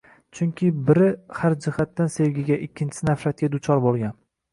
Chunki biri har jihatdan sevgiga, ikkinchisi nafratga duchor bo'lgan.